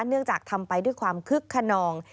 เนื่องจากทำไปด้วยความคึกขนอง